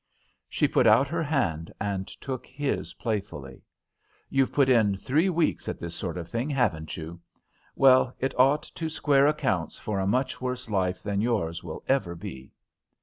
She put out her hand and took his playfully. "You've put in three weeks at this sort of thing, haven't you? Well, it ought to square accounts for a much worse life than yours will ever be."